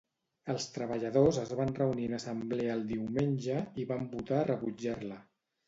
Els treballadors es van reunir en assemblea el diumenge i van votar rebutjar-la.